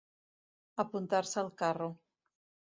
Apuntar-se al carro.